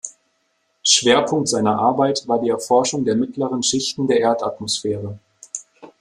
Schwerpunkt seiner Arbeit war die Erforschung der mittleren Schichten der Erdatmosphäre.